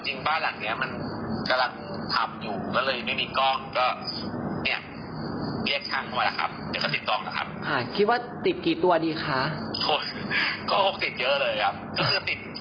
ติดแบบปกติที่เราติดทั่วไปแหละ